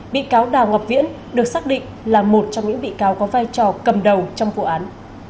bị cáo đào ngọc viễn được xác định là một trong những bị cáo có vai trò cầm đầu trong vụ án